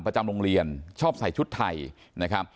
ประจำโรงเรียนชอบใส่ชุดไทย